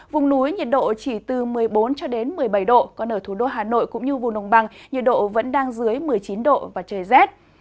vùng núi nhiệt độ chỉ từ một mươi bốn một mươi bảy độ còn ở thủ đô hà nội cũng như vùng nồng bằng nhiệt độ vẫn đang dưới một mươi chín độ và trời rét